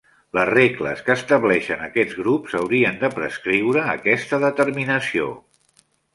Les regles que estableixen aquests grups haurien de prescriure aquesta determinació.